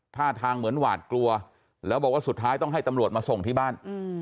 ท่าทางเหมือนหวาดกลัวแล้วบอกว่าสุดท้ายต้องให้ตำรวจมาส่งที่บ้าน